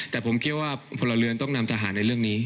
แต่ผมคิดว่าพลเรือนต้องนำทหารในเรื่องนี้